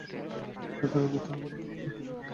ছাত্ররা ব্যর্থ হলে কি শিক্ষকেরা সফল হবে?